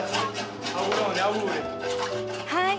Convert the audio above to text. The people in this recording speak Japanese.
はい。